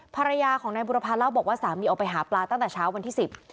ภรรยาของนายบุรพาเล่าบอกว่าสามีออกไปหาปลาตั้งแต่เช้าวันที่สิบ